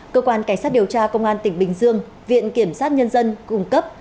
cơ quan cảnh sát điều tra công an tỉnh bình dương viện kiểm sát nhân dân cung cấp